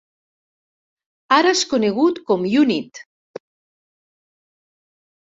Ara és conegut com Unit.